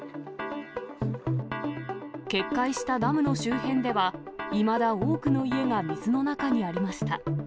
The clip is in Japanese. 決壊したダムの周辺では、いまだ多くの家が水の中にありました。